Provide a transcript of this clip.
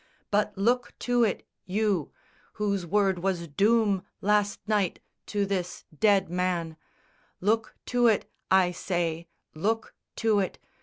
But look to it, you, Whose word was doom last night to this dead man; Look to it, I say, look to it!